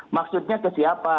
maksudnya ke siapa